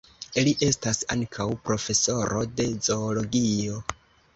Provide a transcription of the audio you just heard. Li estas ankaŭ profesoro de zoologio.